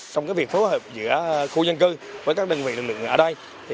trong việc phối hợp giữa khu dân cư với các đơn vị lực lượng ở đây